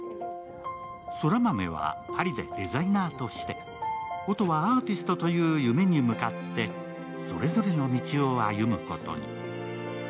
空豆はパリでデザイナーとして、音はアーティストという夢に向かってそれぞれの道を歩むことに。